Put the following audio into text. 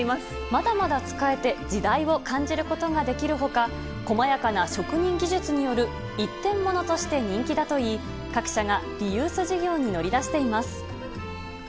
まだまだ使えて、時代を感じることができるほか、こまやかな職人技術による一点物として人気だといい、各社がリユース事業に乗り出しています。